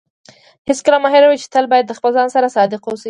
هیڅکله مه هېروئ چې تل باید د خپل ځان سره صادق اوسئ.